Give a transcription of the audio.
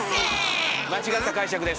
間違った解釈です。